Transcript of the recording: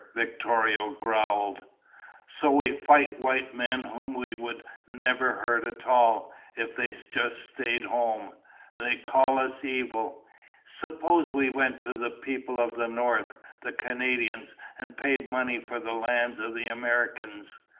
Victorio growled. "So we fight white men whom we would never hurt at all, if they just stayed home. And they call us evil! Suppose we went to the people of the north, the Canadians, and paid money for the lands of the Americans.